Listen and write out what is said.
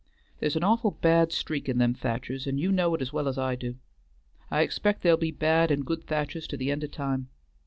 There's an awful bad streak in them Thachers, an' you know it as well as I do. I expect there'll be bad and good Thachers to the end o' time.